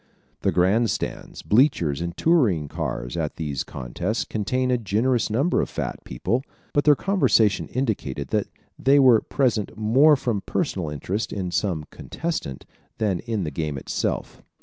The grand stands, bleachers and touring cars at these contests contained a generous number of fat people, but their conversation indicated that they were present more from personal interest in some contestant than in the game itself.